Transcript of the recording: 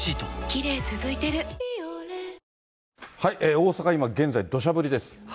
大阪、今、現在、どしゃ降りです。